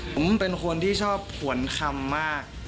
ผมเป็นคนที่ชอบผวนคำมาก